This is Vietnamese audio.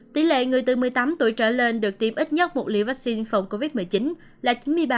tỷ lệ người từ một mươi tám tuổi trở lên được tiêm ít nhất một liều vaccine phòng covid một mươi chín là chín mươi ba